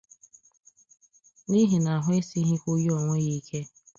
n'ihi na ahụ esighịkwu ya onwe ya ike.